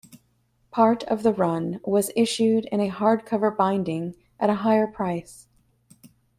Part of the run was issued in a hardcover binding at a higher price.